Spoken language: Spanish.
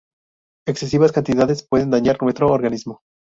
Excesivas cantidades pueden dañar nuestro organismo.